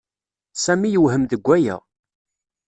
Sami yewhem deg waya.